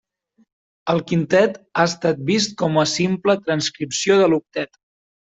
El quintet ha estat vist com a simple transcripció de l'octet.